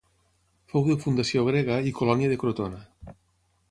Fou de fundació grega i colònia de Crotona.